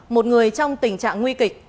một người trong tình trạng nguy kịch